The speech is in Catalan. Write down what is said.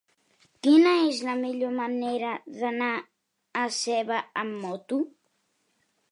Quina és la millor manera d'anar a Seva amb moto?